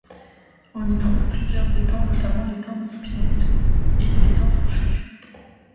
On y trouve plusieurs étangs notamment l'étang des Épinettes et l'étang Fourchu.